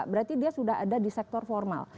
berarti dia sudah ada di sektor formal